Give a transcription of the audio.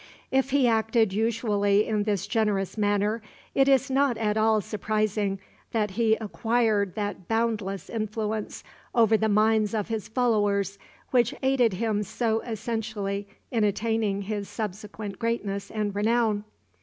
If he acted usually in this generous manner, it is not at all surprising that he acquired that boundless influence over the minds of his followers which aided him so essentially in attaining his subsequent greatness and renown.